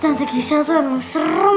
tante gisha tuh emang serem